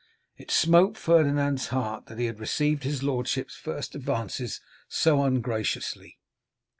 It smote Ferdinand's heart that he had received his lordship's first advances so ungraciously.